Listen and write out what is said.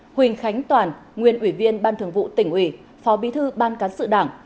nguyễn khánh toàn nguyên ủy viên ban thường vụ tỉnh ủy phó bí tư ban cán sự đảng